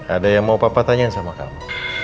ada yang mau papa tanyain sama kamu